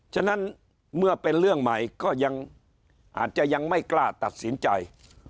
ฉะนั้นเมื่อเป็นเรื่องใหม่ก็ยังอาจจะยังไม่กล้าตัดสินใจ